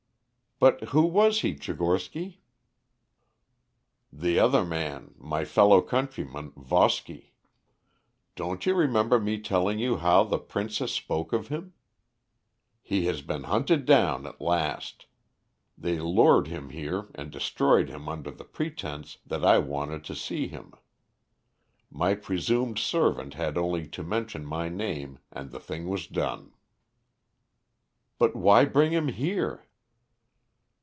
"But who was he, Tchigorsky?" "The other man my fellow countryman, Voski. Don't you remember my telling you how the princess spoke of him? He has been hunted down at last. They lured him here and destroyed him under the pretence that I wanted to see him. My presumed servant had only to mention my name, and the thing was done." "But why bring him here?"